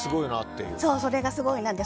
それがすごいなと。